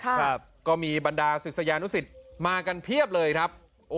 ครับก็มีบรรดาศิษยานุสิตมากันเพียบเลยครับ